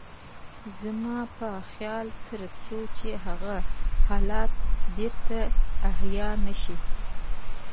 زما په خيال تر څو چې هغه حالت بېرته احيا نه شي.